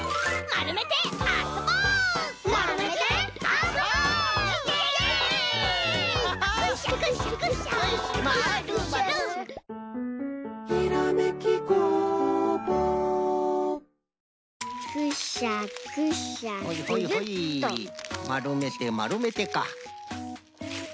まるめてまるめてか。